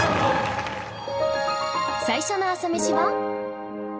最初の朝メシは